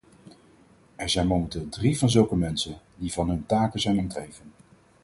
Er zijn momenteel drie van zulke mensen, die van hun taken zijn ontheven.